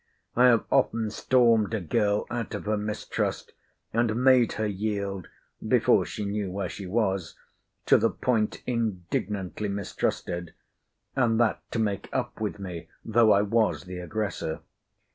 I have often stormed a girl out of her mistrust, and made her yield (before she knew where she was) to the point indignantly mistrusted; and that to make up with me, though I was the aggressor.